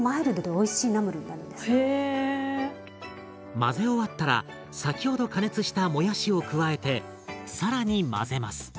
混ぜ終わったら先ほど加熱したもやしを加えて更に混ぜます。